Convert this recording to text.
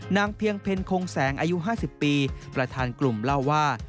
เพียงเพลคงแสงอายุ๕๐ปีประธานกลุ่มเล่าว่า